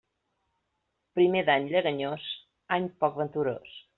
Primer d'any lleganyós, any poc venturós.